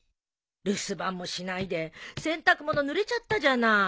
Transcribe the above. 留守番もしないで洗濯物ぬれちゃったじゃない。